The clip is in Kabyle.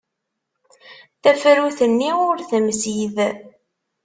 Tafrut-nni ur temsid.